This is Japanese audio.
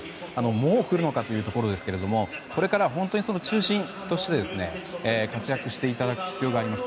もう来るのかというところですがこれからは本当に中心として活躍していただく必要があります。